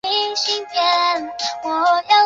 多亏孙膑说情留下。